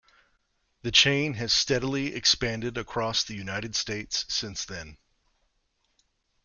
The chain has steadily expanded across the United States since then.